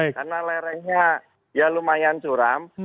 karena lerengnya ya lumayan curam